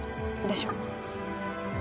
でしょ？